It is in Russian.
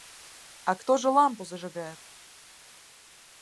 А кто же лампу зажигает?